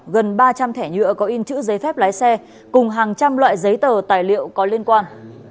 gần ba trăm linh thẻ nhựa có in chữ giấy phép lái xe cùng hàng trăm loại giấy tờ tài liệu có liên quan